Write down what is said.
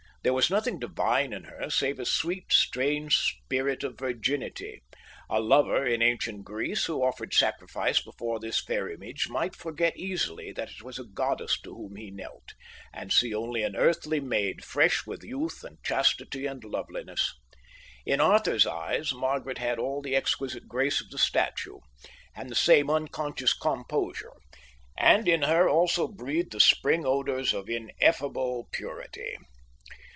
There was nothing divine in her save a sweet strange spirit of virginity. A lover in ancient Greece, who offered sacrifice before this fair image, might forget easily that it was a goddess to whom he knelt, and see only an earthly maid fresh with youth and chastity and loveliness. In Arthur's eyes Margaret had all the exquisite grace of the statue, and the same unconscious composure; and in her also breathed the spring odours of ineffable purity.